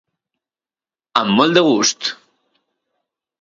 Amb molt de gust!